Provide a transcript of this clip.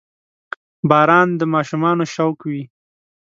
• باران د ماشومانو شوق وي.